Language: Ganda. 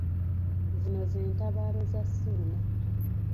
Zino ze ntabaalo za Ssuuna.